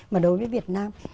mà đối với việt nam